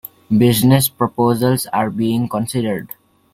Business proposals are being considered.